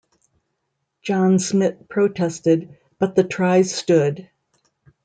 John Smit protested but the try stood.